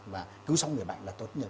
và cứu sống người bệnh là tốt nhất